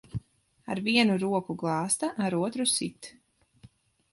Ar vienu roku glāsta, ar otru sit.